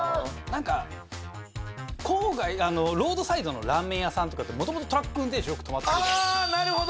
なんか郊外ロードサイドのラーメン屋さんとかって元々トラック運転手がよく止まってるじゃないですか。